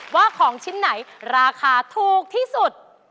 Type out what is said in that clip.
ว่าของชิ้นไหนราคาถูกที่สุด